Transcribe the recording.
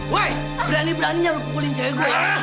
woi berani beraninya lo pukulin cewek gue ya